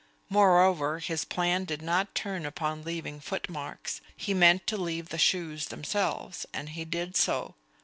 Moreover, his plan did not turn upon leaving footmarks. He meant to leave the shoes themselves, and he did so.